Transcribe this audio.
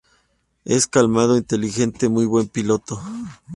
Es calmado, inteligente, muy buen piloto".